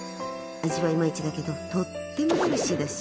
味はいまいちだけどとてもヘルシーだし。